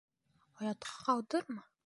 Оятҡа ҡалдырма!